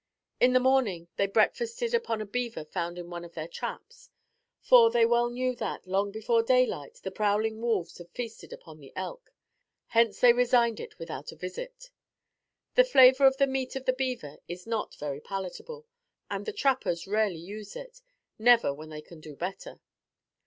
In the morning they breakfasted upon a beaver found in one of their traps; for, they well knew that, long before daylight, the prowling wolves had feasted upon the elk; hence, they resigned it without a visit. The flavor of the meat of the beaver is not very palatable and the trappers rarely use it; never when they can do better.